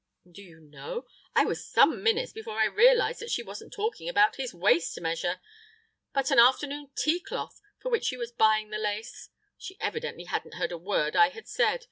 And, do you know, I was some minutes before I realised that she wasn't talking about his waist measure, but an afternoon tea cloth for which she was buying the lace. She evidently hadn't heard a word I had said.